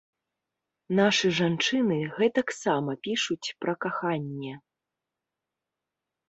Нашы жанчыны гэтак сама пішуць пра каханне.